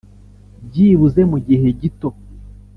byibuze mugihe gito